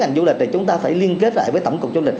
ngành du lịch thì chúng ta phải liên kết lại với tổng cục du lịch